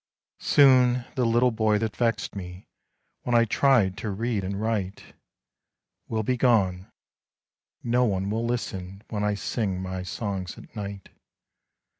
Soon the little boy that vexed me, When I tried to read and write, Will be gone. No one will listen When I sing my songs at night.